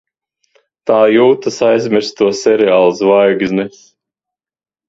Tā jūtas aizmirsto seriālu zvaigznes.